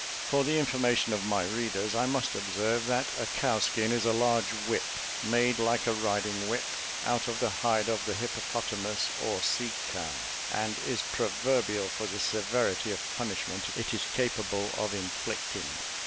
For the information of my readers, I must observe that a cowskin is a large whip, made like a riding whip, out of the hide of the hippopotamus, or sea cow, and is proverbial for the severity of punishment it is capable of inflicting.